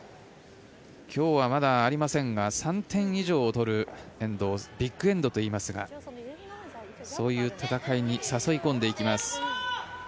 今日はまだありませんが３点以上取るエンドをビッグ・エンドといいますがそういう戦いに誘い込んでいきます。